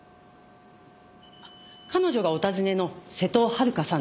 彼女がお尋ねの瀬戸はるかさんです。